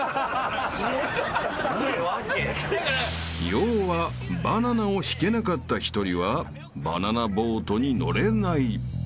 ［要はバナナを引けなかった１人はバナナボートに乗れない］